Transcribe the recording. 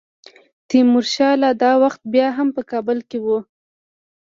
تیمورشاه لا دا وخت بیا هم په کابل کې وو.